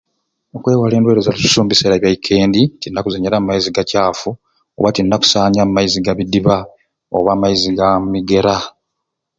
Okwewala endweire za lususu omu biseera byekendi toyina kuzenyera mu maizi gakyafu oba tinina kusanya mu maizi ga bidiba oba amaizi ga mu mugera